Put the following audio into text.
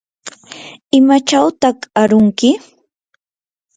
¿imachawtaq arunki?